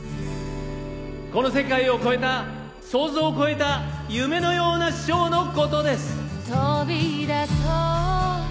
「この世界を超えた想像を超えた夢のようなショーのことです」